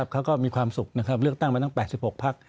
เขาก็มีความสุขนะครับเลือกตั้งมาตั้ง๘๖ภาค